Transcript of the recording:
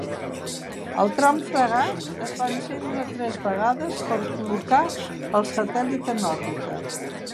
El tram Fregat es va encendre tres vegades per col·locar el satèl·lit en òrbita.